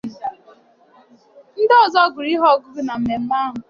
Ndị ọzọ gụrụ ihe ọgụgụ na mmemme ahụ